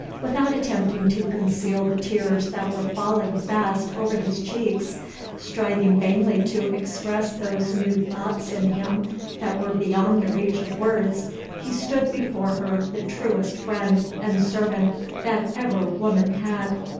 Without attempting to conceal the tears that were falling fast over his cheeks striving vainly to express those new thoughts in him that were beyond the reach of words he stood before her the truest friend and servant that ever woman had.